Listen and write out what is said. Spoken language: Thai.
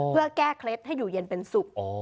เพื่อแก้เคล็ดให้อยู่เย็นเป็นสุข